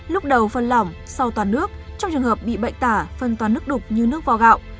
lúc đầu phân lỏng sau toàn nước trong trường hợp bị bệnh tả phân toàn nước đục như nước vo gạo